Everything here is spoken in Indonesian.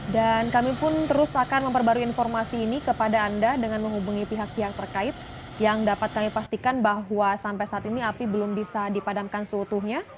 dan kami pun terus akan memperbarui informasi ini kepada anda dengan menghubungi pihak pihak terkait yang dapat kami pastikan bahwa sampai saat ini api belum bisa dipadamkan seutuhnya